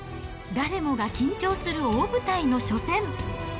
誰もが緊張する大舞台の初戦。